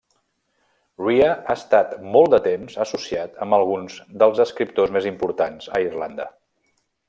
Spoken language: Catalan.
Rea ha estat molt de temps associat amb alguns dels escriptors més importants a Irlanda.